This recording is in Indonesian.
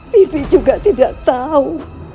bibi juga tidak tahu